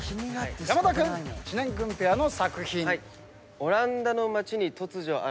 山田君・知念君ペアの作品。